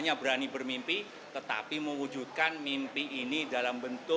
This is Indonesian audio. yang berkembang ke dunia